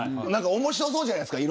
面白そうじゃないですか。